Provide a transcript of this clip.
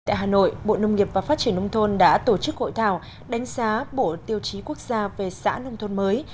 tại hà nội bộ nông nghiệp và phát triển nông thôn đã tổ chức hội thảo đánh giá bộ tiêu chí quốc gia về xã nông thôn mới